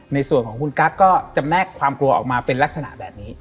ในส่วนของคุณกั๊กก็จะแลกความกลัวออกมาเป็นลักษณะแบบนี้